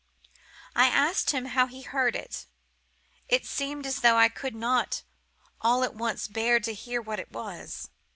"I asked him how he had heard it: it seemed as though I could not all at once bear to hear what it was.